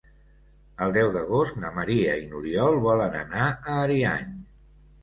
El deu d'agost na Maria i n'Oriol volen anar a Ariany.